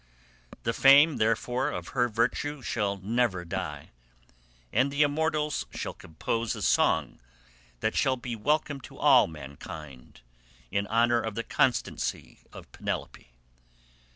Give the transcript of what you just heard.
The fame, therefore, of her virtue shall never die, and the immortals shall compose a song that shall be welcome to all mankind in honour of the constancy of Penelope.